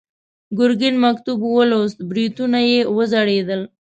ګرګين مکتوب ولوست، برېتونه يې وځړېدل.